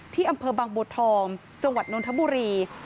อำเภอบางบัวทองจังหวัดนนทบุรี